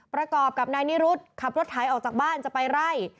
ประกอบกับนายนิรุธขับรถไถออกจากบ้านจะไปไล่